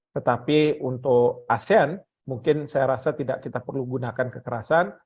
tetapi untuk asean mungkin saya rasa tidak kita perlu gunakan kekerasan